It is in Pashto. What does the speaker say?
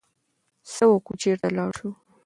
څه وکړو، چرته لاړ شو؟